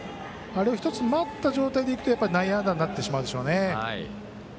あれを１つ待った状態でいくと内野安打になってしまうでしょうね。